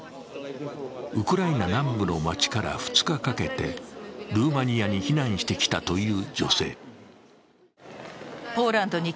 ウクライナ南部の街から２日かけてルーマニアに避難してきたという女性。